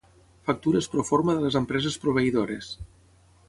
Factures proforma de les empreses proveïdores.